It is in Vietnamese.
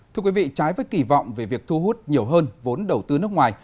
thưa quý vị trái với kỳ vọng về việc thu hút nhiều hơn vốn đầu tư nước ngoài